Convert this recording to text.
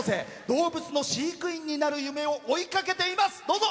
動物の飼育員になる夢を追いかけています。